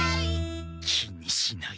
気にしない。